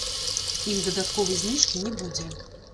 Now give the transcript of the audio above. Ім дадатковай зніжкі не будзе.